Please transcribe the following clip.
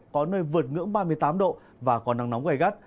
có nơi vượt ngưỡng ba mươi tám độ và còn nắng nóng